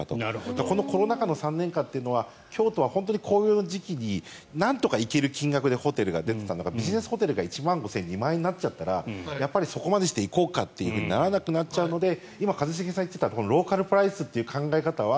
だから、コロナ禍の３年間というのは京都は本当に紅葉の時期になんとか行ける金額でホテルが出ていたのがビジネスホテルが１万５０００円２万円になっちゃったらそこまでして行こうとならないから今、一茂さんが言っていたローカルプライスという考え方は